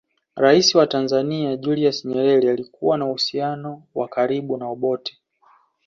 Rais wa Tanzania Julius Nyerere alikuwa na uhusiano wa karibu na Obote